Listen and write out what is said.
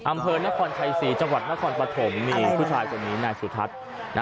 อำเภอนครชัยศรีจังหวัดนครปฐมมีผู้ชายคนนี้นายสุทัศน์